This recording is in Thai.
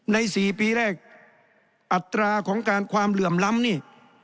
๔ปีแรกอัตราของการความเหลื่อมล้ำนี่